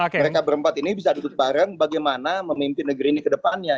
mereka berempat ini bisa duduk bareng bagaimana memimpin negeri ini ke depannya